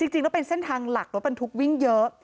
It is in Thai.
จริงแล้วเป็นเส้นทางหลักรถบรรทุกวิ่งเยอะ